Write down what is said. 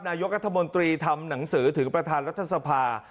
นายกรัฐมนตรีทำหนังสือถึงประธานรัฐสภา